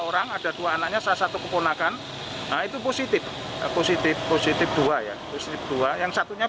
orang ada dua anaknya salah satu keponakan itu positif positif positif dua ya positif dua yang satunya